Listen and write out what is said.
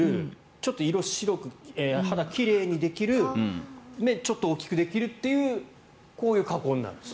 ちょっと肌を奇麗にできる目がちょっと大きくできるというこういう加工になるんですね。